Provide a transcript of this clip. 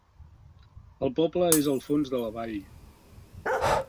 El poble és al fons de la vall.